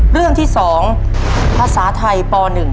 เรื่องที่๒ภาษาไทยป๑